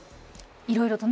いろいろとね